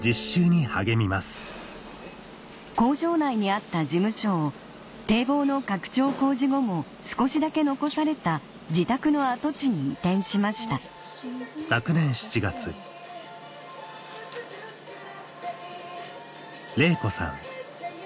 工場内にあった事務所を堤防の拡張工事後も少しだけ残された自宅の跡地に移転しました夏休み佳祐くんはアルバイトを始めました